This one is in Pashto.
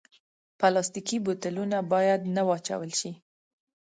پلاستيکي بوتلونه باید نه واچول شي.